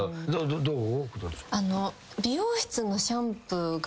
どう？